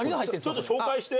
ちょっと紹介して。